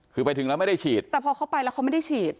คือไปถึงแล้วไม่ได้ฉีดแต่พอเขาไปแล้วเขาไม่ได้ฉีด